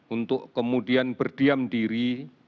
untuk kemudian berdiam diri